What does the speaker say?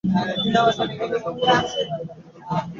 এই সন্ধিক্ষণে এটাও বলা মুশকিল কোন কোন দল পরস্পর হাত মেলাবে।